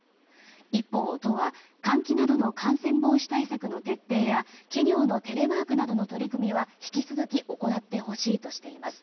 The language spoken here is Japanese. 一方、都は換気などの感染防止対策の徹底や企業のテレワークなどの取り組みは、引き続き行ってほしいとしています。